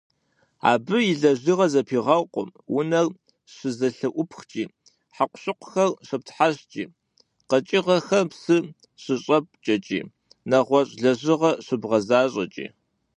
Абы и лэжьыгъэр зэпигъэуркъым унэр щызэлъыӀупхкӀи, хьэкъущыкъухэр щыптхьэщӀкӀи, къэкӀыгъэхэм псы щыщӀэпкӀэкӀи, нэгъуэщӀ лэжьыгъэ щыбгъэзащӀэкӀи.